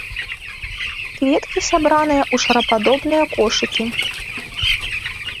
Кветкі сабраныя ў шарападобныя кошыкі.